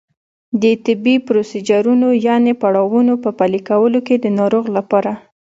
د طبي پروسیجرونو یانې پړاوونو په پلي کولو کې د ناروغ لپاره